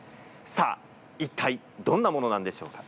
さあ、いったいどんなものなんでしょうか。